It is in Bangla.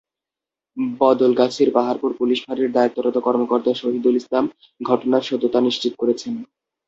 বদলগাছির পাহাড়পুর পুলিশ ফাঁড়ির দায়িত্বরত কর্মকর্তা সহিদুল ইসলাম ঘটনার সত্যতা নিশ্চিত করেছেন।